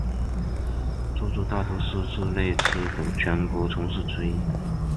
这座大都市是列出的全球城市之一。